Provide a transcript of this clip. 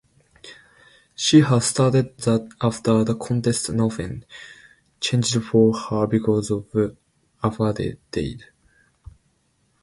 She has stated that after the contest nothing changed for her because of apartheid.